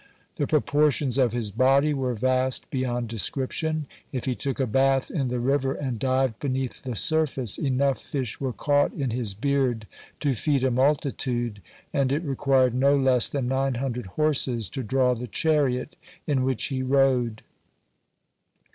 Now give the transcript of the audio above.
The proportions of his body were vast beyond description. If he took a bath in the river, and dived beneath the surface, enough fish were caught in his beard to feed a multitude, and it required no less than nine hundred horses to draw the chariot in which he rode.